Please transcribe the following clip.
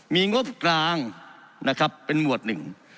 มีงบกลางนะครับเป็นหมวดหนึ่ง